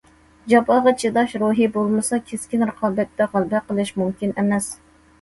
جاپاغا چىداش روھى بولمىسا، كەسكىن رىقابەتتە غەلىبە قىلىش مۇمكىن ئەمەس.